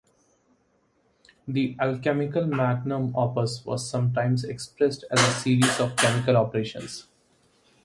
The alchemical magnum opus was sometimes expressed as a series of chemical operations.